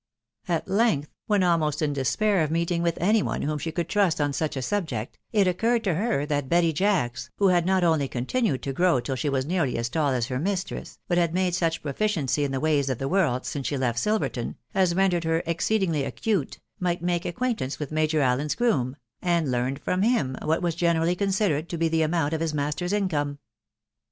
At length, when almost in despair of meeting with any one whom she could trust on such a subject, it occurred t» her that Betty Jacks, who had not only continued to grow tffl she was nearly as tall as her mistress, but had made men proficiency in the ways of the world since she left Silvertea, as rendered her exceedingly acute, might make acquaintance with Major Allen's groom, and learn from him what urn generally considered to be the amount of his master's income.